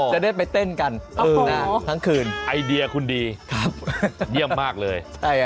จะได้ไปเต้นกันปรึงนาทั้งคืนไอเดียคนดีครับเยี่ยมมากเลย